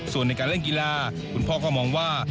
ส่วนในการเล่นกีฬาคุณพ่อก็มองว่า